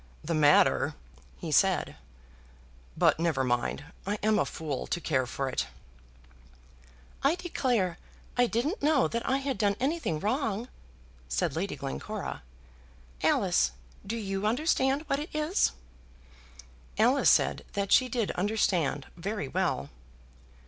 "The matter!" he said. "But never mind; I am a fool to care for it." "I declare I didn't know that I had done anything wrong," said Lady Glencora. "Alice, do you understand what it is?" Alice said that she did understand very well.